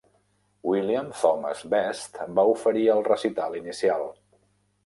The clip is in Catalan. William Thomas Best va oferir el recital inicial.